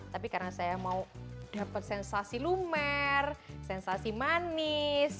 tapi karena saya mau dapat sensasi lumer sensasi manis